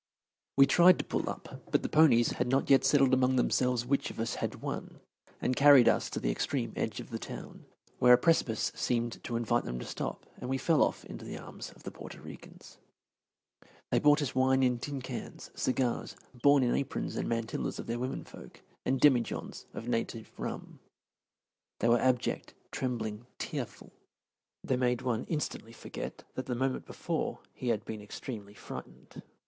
We tried to pull up, but the ponies had not yet settled among themselves which of us had won, and carried us to the extreme edge of the town, where a precipice seemed to invite them to stop, and we fell off into the arms of the Porto Ricans. They brought us wine in tin cans, cigars, borne in the aprons and mantillas of their women folk, and demijohns of native rum. They were abject, trembling, tearful. They made one instantly forget that the moment before he had been extremely frightened.